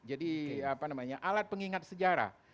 jadi apa namanya alat pengingat sejarah